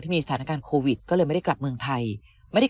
มีสถานการณ์โควิดก็เลยไม่ได้กลับเมืองไทยไม่ได้